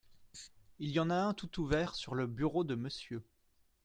Il y en a un tout ouvert sur le bureau de Monsieur.